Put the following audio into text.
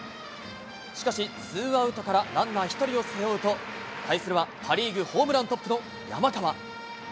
しかし、ツーアウトからランナー１人を背負うと、対するはパ・リーグホームラントップの山川。